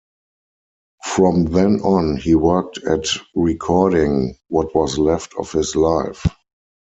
From then on, he worked at recording what was left of his life.